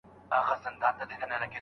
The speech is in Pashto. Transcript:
په هوا به دي تر بله ډنډه یوسو